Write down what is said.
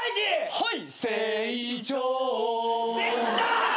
はい。